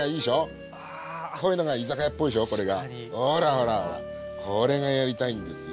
ほらほらこれがやりたいんですよ。